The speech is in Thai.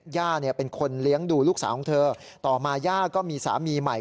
ย่าเป็นคนเลี้ยงดูลูกสาวของเธอต่อมาย่าก็มีสามีใหม่